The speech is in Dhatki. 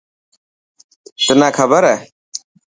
تنان کبر هي؟